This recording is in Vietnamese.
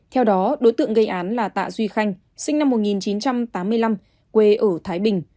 theo đó đối tượng gây án là tạ duy khanh sinh năm một nghìn chín trăm tám mươi năm quê ở thái bình